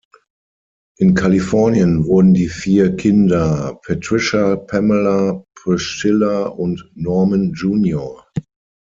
In Kalifornien wurden die vier Kinder Patricia, Pamela, Priscilla und Norman Jr.